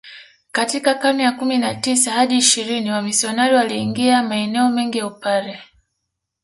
Katika karne ya kumi na tisa hadi ishirini wamisionari waliingia maeneo mengi ya Upare